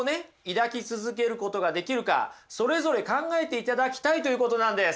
抱き続けることができるかそれぞれ考えていただきたいということなんです。